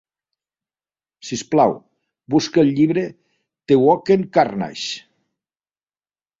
Sisplau, busca el llibre The Wacken Carnage.